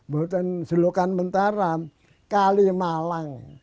bahwa selokan mataram kalimawang